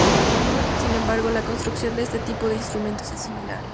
Sin embargo, la construcción de este tipo de instrumentos es similar.